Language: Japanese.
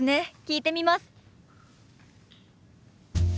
聞いてみます。